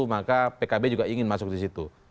maka pkb juga ingin masuk di situ